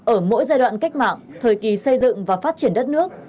ở mỗi giai đoạn cách mạng thời kỳ xây dựng và phát triển đất nước